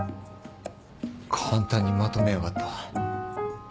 簡単にまとめやがった。